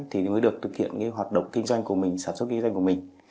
thì mới được thực hiện hoạt động kinh doanh của mình sản xuất kinh doanh của mình